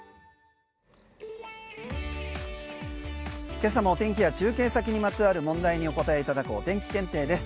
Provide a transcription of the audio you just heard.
今朝の天気や中継先にまつわる問題にお答えいただくお天気検定です。